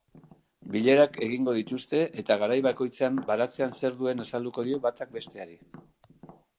Bilerak egingo dituzte eta garai bakoitzean baratzean zer duen azalduko dio batek besteari.